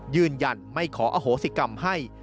ยืนยันไม่ขออโหสิกรรมให้